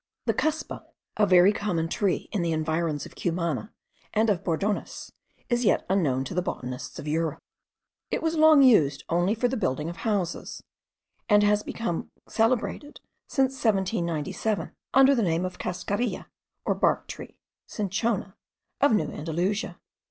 The cuspa, a very common tree in the environs of Cumana and of Bordones, is yet unknown to the botanists of Europe. It was long used only for the building of houses, and has become celebrated since 1797, under the name of the cascarilla or bark tree (cinchona) of New Andalusia.